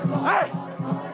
はい！